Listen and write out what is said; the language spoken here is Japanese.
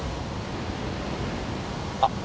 あっ。